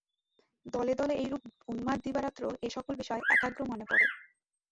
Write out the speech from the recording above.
দলে দলে এইরূপ উন্মাদ দিবারাত্র এ-সকল বিষয় একাগ্রমনে পড়ে।